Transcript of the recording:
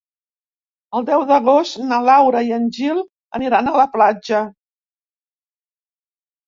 El deu d'agost na Laura i en Gil aniran a la platja.